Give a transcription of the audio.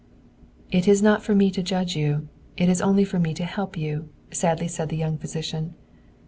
"It is not for me to judge you; it is only for me to help you!" sadly said the young physician.